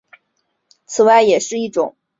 此外也是一种受欢迎的园艺植物。